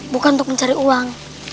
bukan untuk mencari uang